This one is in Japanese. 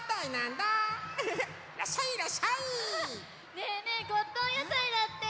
ねえねえゴットンやたいだって！